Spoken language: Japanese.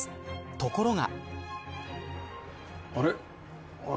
ところが。